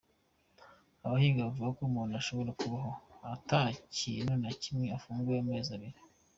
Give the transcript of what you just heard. Abahinga bavuga ko umuntu ashobora kubaho ata kintu na kimwe afunguye amezi abiri.